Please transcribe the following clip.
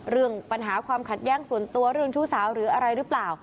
เรื่องปัญหาความขัดแย้งส่วนตัวเรื่องชู้สาวหรืออะไรหรือเปล่า